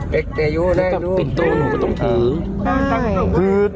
ปิดตัวหนูไม่ต้องถือ